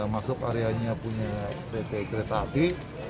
masuk areanya punya pt kereta api